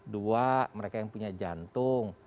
dua mereka yang punya jantung